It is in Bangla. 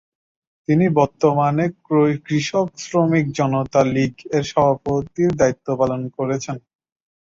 তিনি বর্তমানে কৃষক শ্রমিক জনতা লীগ-এর সভাপতির দায়িত্ব পালন করছেন।